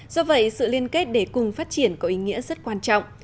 do vậy sự liên kết để cùng phát triển có ý nghĩa rất quan trọng